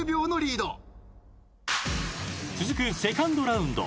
［続くセカンドラウンド］